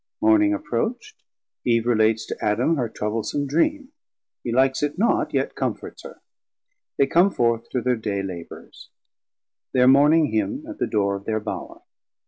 Morning approach't, Eve relates to Adam her troublesome dream: he likes it not, yet comforts her: They come forth to thir day labours: Their Morning Hymn at the Door of their Bower.